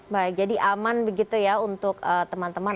baik jadi aman begitu ya untuk teman teman